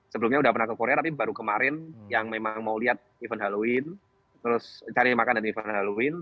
sebelumnya udah pernah ke korea tapi baru kemarin yang memang mau lihat event halloween terus cari makan dan event halloween